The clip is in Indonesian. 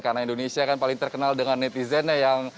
karena indonesia kan paling terkenal dengan netizennya